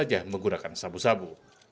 riza sahab sudah menggunakan sabu sabu